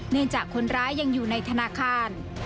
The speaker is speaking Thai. จากคนร้ายยังอยู่ในธนาคาร